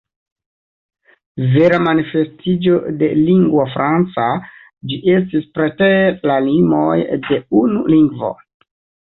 Vera manifestiĝo de ”lingua franca” ĝi estis preter la limoj de unu lingvo.